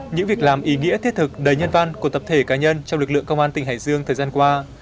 những việc làm ý nghĩa thiết thực đầy nhân văn của tập thể cá nhân trong lực lượng công an tỉnh hải dương thời gian qua